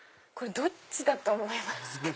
どっちだと思いますか？